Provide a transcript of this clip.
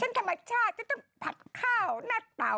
ฉันธรรมชาติจะต้องผัดข้าวหน้าเตา